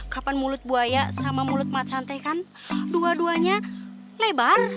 kapan mulut buaya sama mulut mat cantik kan dua duanya lebar